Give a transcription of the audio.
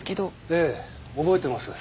ええ覚えてます。